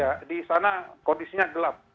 ya di sana kondisinya gelap